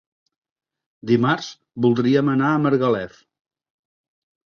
Dimarts voldríem anar a Margalef.